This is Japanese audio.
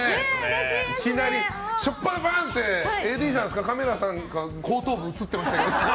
いきなり、しょっぱなＡＤさんですか、カメラさんか後頭部映ってましたけど。